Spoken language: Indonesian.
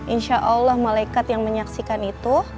insyaallah malaikat yang menyaksikan itu